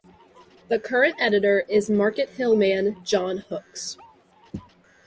The current editor is Markethill man, John Hooks.